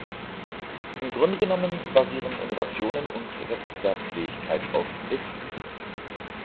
Im Grunde genommen basieren Innovationen und Wettbewerbsfähigkeit auf Wissen.